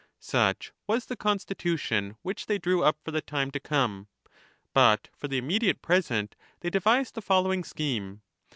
Such was the constitution which they drew up for the time to come, but for the im mediate present they devised the following scheme.